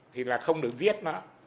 thì là không được giết nó